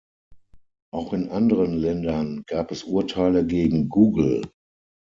Auch in anderen Ländern gab es Urteile gegen Google.